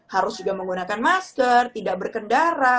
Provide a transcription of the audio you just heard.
harus juga menggunakan masker tidak berkendara